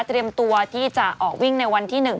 เตรียมตัวที่จะออกวิ่งในวันที่๑